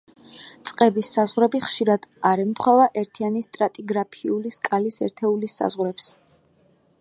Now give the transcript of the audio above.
წყების საზღვრები ხშირად არ ემთხვევა ერთიანი სტრატიგრაფიული სკალის ერთეულის საზღვრებს.